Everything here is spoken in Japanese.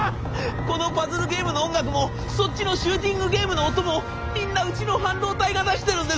このパズルゲームの音楽もそっちのシューティングゲームの音もみんなうちの半導体が出してるんです！